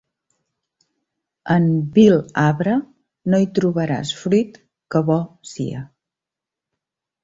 En vil arbre no hi trobaràs fruit que bo sia.